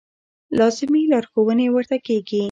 لازمې لارښوونې ورته کېږي.